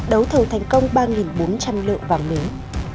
đấu thầu thành công ba bốn trăm linh lượng vàng miếng